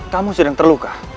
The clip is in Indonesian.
kamu sudah terluka